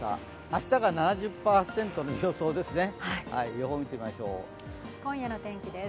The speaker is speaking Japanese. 明日が７０％の予想ですね。